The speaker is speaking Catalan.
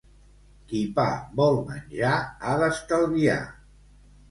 Qui pa vol menjar ha d'estalviar.